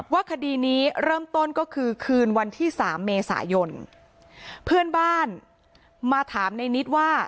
คดีนี้เริ่มต้นก็คือคืนวันที่สามเมษายนเพื่อนบ้านมาถามในนิดว่า